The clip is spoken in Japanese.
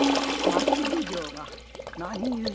町奉行が何ゆえ？